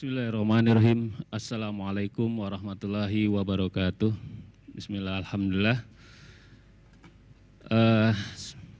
bismillahirrahmanirrahim assalamualaikum warahmatullahi wabarakatuh bismillahirrahmanirrahim